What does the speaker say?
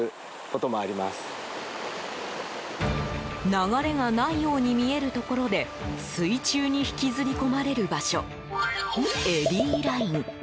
流れがないように見えるところで水中に引きずり込まれる場所エディライン。